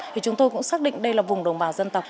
thì chúng tôi cũng xác định đây là vùng đồng bào dân tộc